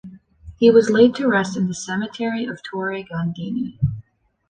He was laid to rest in the cemetery of Torre Gandini.